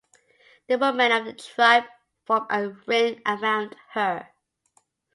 The women of the tribe form a ring around her.